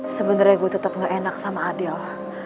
sebenernya gue tetep gak enak sama adil